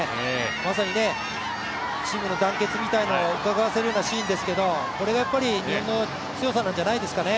まさにチームの団結みたいなのをうかがわせるようなシーンですけど、これがやっぱり日本の強さなんじゃないですかね。